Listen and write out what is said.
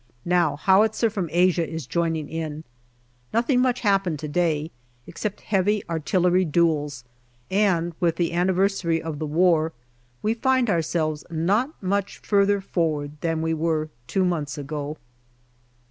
Now howitzer from Asia is joining in. Nothing much happened to day, except heavy artillery duels, and with the anniversary of the war we find ourselves not much further forward than we were two months ago.